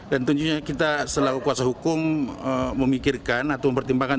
dan tentunya kita selalu kuasa hukum memikirkan atau mempertimbangkan